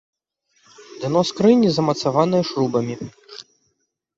Дно скрыні замацаванае шрубамі.